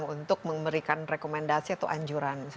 untuk memberikan rekomendasi atau anjuran